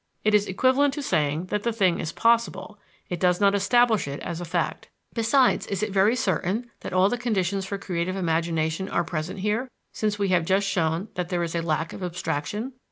It is equivalent to saying that the thing is possible; it does not establish it as a fact. Besides, is it very certain that all the conditions for creative imagination are present here, since we have just shown that there is lack of abstraction?